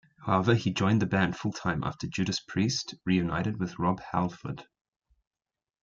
However, he joined the band full-time after Judas Priest reunited with Rob Halford.